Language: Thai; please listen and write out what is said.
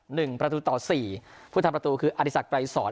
หนึ่งประตูต่อสี่ผู้ทำประตูคืออธิสักไกรสอน